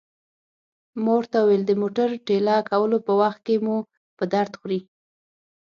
ما ورته وویل: د موټر ټېله کولو په وخت کې مو په درد خوري.